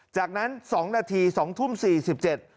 จากนั้น๒นาที๒ทุ่ม๔๗น